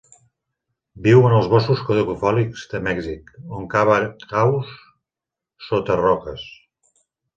Viu en els boscos caducifolis de Mèxic, on cava caus sota roques.